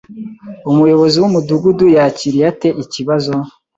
Umuyobozi wumudugudu yakiriye ate ikibazo